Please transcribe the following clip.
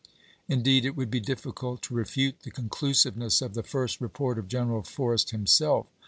Indeed, it would be difficult to refute the conclusiveness of the first report of General For rest himself.